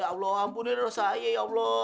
ya allah ampunilah dosa ayah ya allah